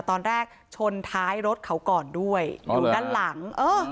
ตอนแรกชนท้ายรถเขาก่อนด้วยอยู่ด้านหลังเออ